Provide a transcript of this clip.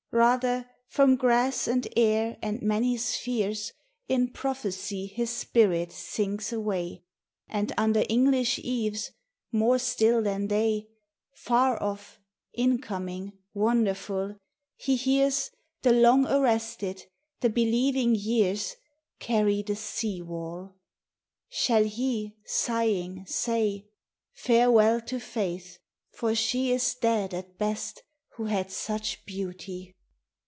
Rather, from grass and air and many spheres, In prophecy his spirit sinks away; And under English eaves, more still than they, Far off, incoming, wonderful, he hears The long arrested, the believing years Carry the sea wall! Shall he, sighing, say: "Farewell to Faith, for she is dead at best Who had such beauty"?